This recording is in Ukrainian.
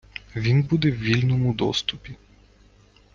Він буде в вільному доступі.